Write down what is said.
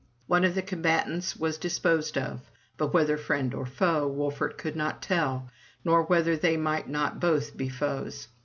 One of the combatants was disposed of, but whether friend or foe, Wolfert could not tell, nor whether they might not both be foes.